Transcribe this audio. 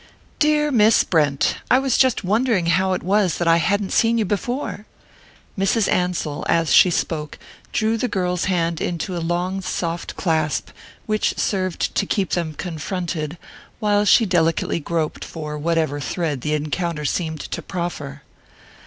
"Dear Miss Brent! I was just wondering how it was that I hadn't seen you before." Mrs. Ansell, as she spoke, drew the girl's hand into a long soft clasp which served to keep them confronted while she delicately groped for whatever thread the encounter seemed to proffer.